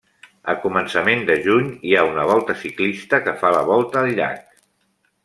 A començament de juny hi ha una volta ciclista que fa la volta al llac.